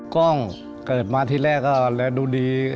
กล้องเกิดมาที่แรกก็แล้วดูดี